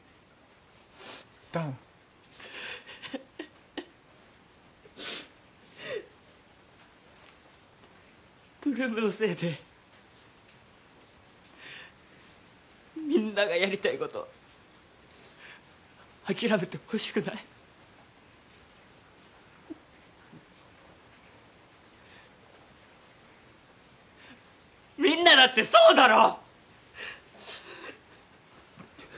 弾８ＬＯＯＭのせいでみんながやりたいこと諦めてほしくないみんなだってそうだろ！